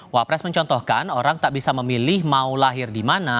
wapres mencontohkan orang tak bisa memilih mau lahir di mana